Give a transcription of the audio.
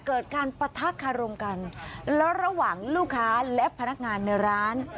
เกิดการปะทะคารมกันแล้วระหว่างลูกค้าและพนักงานในร้าน